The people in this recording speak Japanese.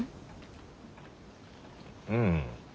うん。